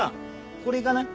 これ行かない？